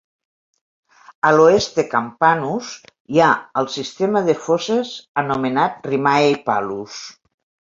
A l'oest de Campanus hi ha el sistema de fosses anomenat Rimae Hippalus.